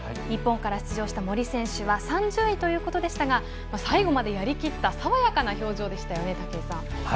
日本の森宏明選手は３０位ということでしたが最後までやり切ったさわやかな表情でしたね。